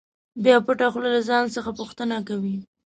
بیا پټه خوله له ځان څخه پوښتنه کوي.